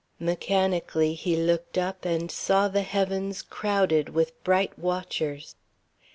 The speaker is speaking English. Mechanically he looked up and saw the heavens crowded with bright watchers.